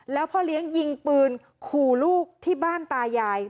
แล้วพ่อเลี้ยงยิงปืนขู่ลูกที่บ้านตายาย